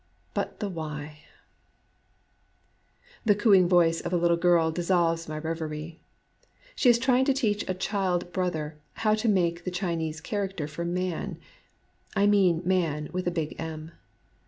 But the Why ! The cooing voice of a little girl dissolves my reverie. She is trying to teach a child brother how to make the Chinese character for Man, — I mean Man with a big M.